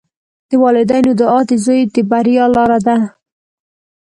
د والدینو دعا د زوی د بریا لاره ده.